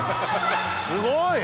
すごい！